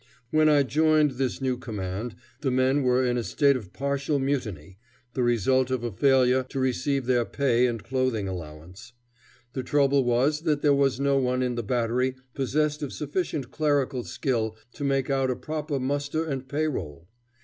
When I joined this new command, the men were in a state of partial mutiny, the result of a failure to receive their pay and clothing allowance. The trouble was that there was no one in the battery possessed of sufficient clerical skill to make out a proper muster and pay roll.